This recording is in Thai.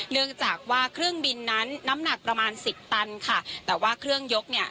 เนื่องจากว่าเครื่องบินนั้นน้ำหนักประมาณสิบตันค่ะแต่ว่าเครื่องยกเนี่ย